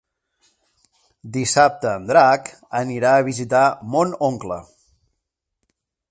Dissabte en Drac anirà a visitar mon oncle.